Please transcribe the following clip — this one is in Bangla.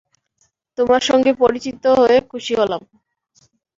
তোমার সঙ্গে পরিচিত হয়ে খুশি হলাম।